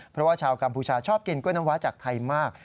เพราะว่าชาวกัมพูชาชอบกินกล้วยน้ำว้าจากไทยมาก